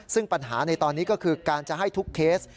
ซึ่งปัญหาในตอนนี้ก็คือการจะให้ทุกเคส